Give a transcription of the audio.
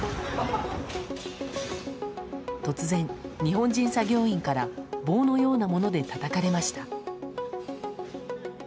突然、日本人作業員から棒のようなものでたたかれました。